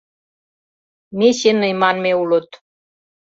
Меченый манме улыт.